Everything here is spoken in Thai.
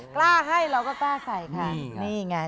กล้าให้เราก็กล้าใส่ค่ะ